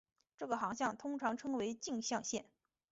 这个航向通常称作径向线。